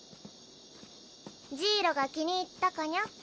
ジイロが気に入ったかニャ？